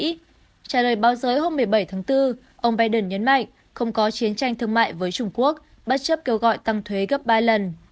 trả lời báo giới hôm một mươi bảy tháng bốn ông biden nhấn mạnh không có chiến tranh thương mại với trung quốc bất chấp kêu gọi tăng thuế gấp ba lần